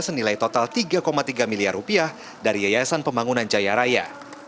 senilai total tiga tiga miliar rupiah dari yayasan pembangunan jaya raya